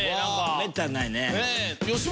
めったにないね。